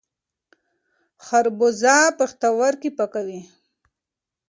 خربوزه پښتورګي پاکوي.